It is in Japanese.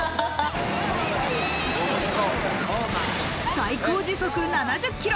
最高時速７０キロ。